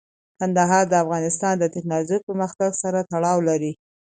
کندهار د افغانستان د تکنالوژۍ پرمختګ سره تړاو لري.